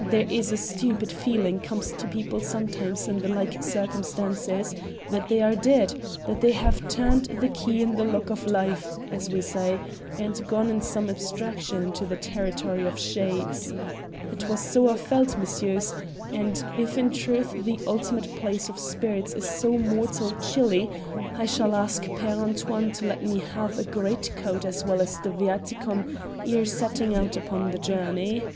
There is a stupid feeling comes to people sometimes in the like circumstances, that they are dead, that they have turned the key in the lock of life, as we say, and gone in some abstraction into the territory of shades. 'Twas so I felt, messieurs, and if in truth the ultimate place of spirits is so mortal chilly, I shall ask Père Antoine to let me have a greatcoat as well as the viaticum ere setting out upon the journey."